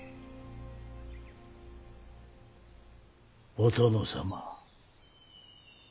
お殿様。